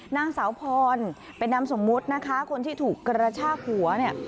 นางสาวพรเป็นนามสมมุตินะคะคนที่ถูกกระชากหัวเนี่ย